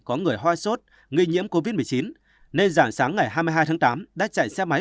có người hoa sốt nghi nhiễm covid một mươi chín nên dạng sáng ngày hai mươi hai tháng tám đã chạy xe máy